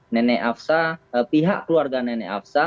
nenek aksa pihak keluarga nenek aksa